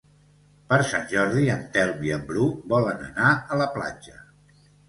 Per Sant Jordi en Telm i en Bru volen anar a la platja.